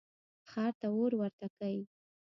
ښار ته اور ورته کئ.